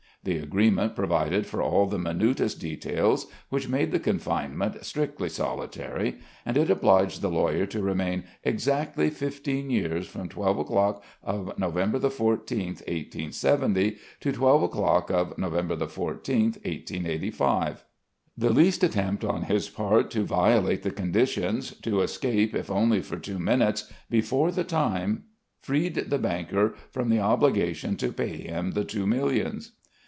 The agreement provided for all the minutest details, which made the confinement strictly solitary, and it obliged the lawyer to remain exactly fifteen years from twelve o'clock of November 14th 1870 to twelve o'clock of November 14th 1885. The least attempt on his part to violate the conditions, to escape if only for two minutes before the time freed the banker from the obligation to pay him the two millions.